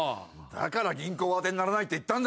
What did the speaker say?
だから銀行は当てにならないって言ったんだよ。